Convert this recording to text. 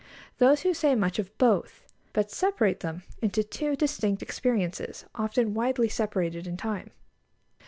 Those who say much of both, but separate them into two distinct experiences, often widely separated in time.